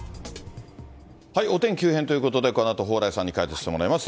お天気急変ということで、このあと蓬莱さんに解説してもらいます。